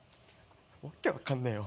訳分かんねえよ。